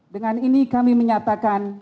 dengan ini kami menyatakan